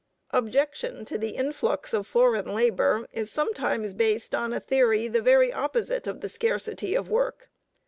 Objection to the influx of foreign labor is sometimes based on a theory the very opposite of the scarcity of work.